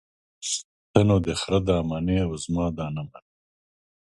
ته نو دخره ده منې او زما ده نه منې.